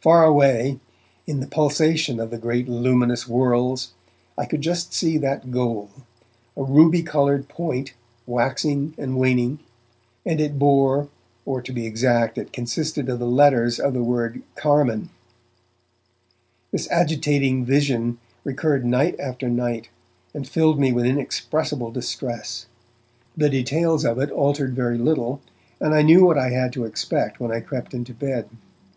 Far away, in the pulsation of the great luminous whorls, I could just see that goal, a ruby coloured point waxing and waning, and it bore, or to be exact it consisted of the letters of the word CARMINE. This agitating vision recurred night after night, and filled me with inexpressible distress. The details of it altered very little, and I knew what I had to expect when I crept into bed.